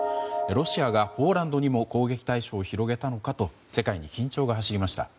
ロシアがポーランドにも攻撃対象を広げたのかと世界に緊張が走りました。